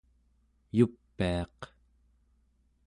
Yupiaq